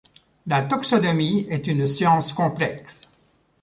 La taxonomie est une science complexe.